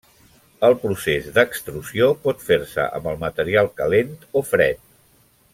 El procés d'extrusió pot fer-se amb el material calent o fred.